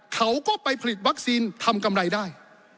เขาก็ไปผลิตวัคซีนทำกำไรได้